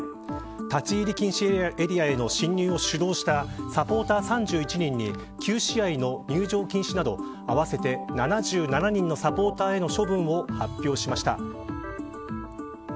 立ち入り禁止エリアへの侵入を主導したサポーター３１人に９試合の入場禁止など合わせて７７人のサポーターへの処分を発表しました。